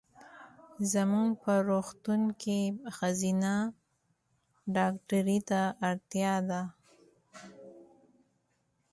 زمونږ په روغتون کې ښځېنه ډاکټري ته اړتیا ده.